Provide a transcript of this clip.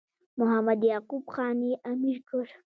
محمد یعقوب خان یې امیر کړ.